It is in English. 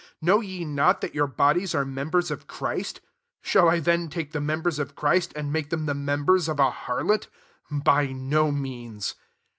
' 15 Know ye not that your bodies are members of Christ ? shall I then take the n^embers of Christ, and make them the members of a harlot? By no means.